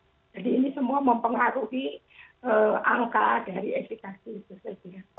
jadi ini semua mempengaruhi angka dari efekasi itu saja